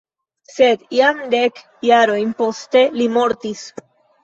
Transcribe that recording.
Sed jam dek jarojn poste li mortis.